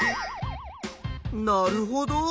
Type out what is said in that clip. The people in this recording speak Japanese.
なるほど。